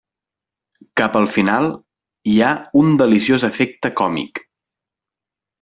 Cap al final hi ha un deliciós efecte còmic.